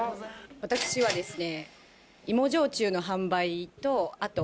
私はですね。